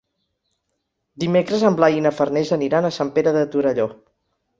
Dimecres en Blai i na Farners aniran a Sant Pere de Torelló.